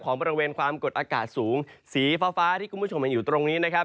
บริเวณความกดอากาศสูงสีฟ้าที่คุณผู้ชมเห็นอยู่ตรงนี้นะครับ